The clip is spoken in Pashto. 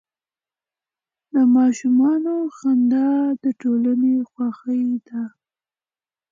د ماشومانو خندا د ټولنې خوښي ده.